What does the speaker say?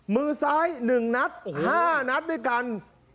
มือซ้าย๑นัด๕นัดด้วยกัน